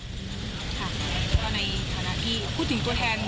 ค่ะก็ในฐานะที่พูดถึงตัวแทน